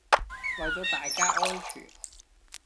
為咗大家安全